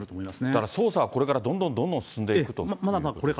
だから捜査はこれからどんどんどんどん進んでいくと。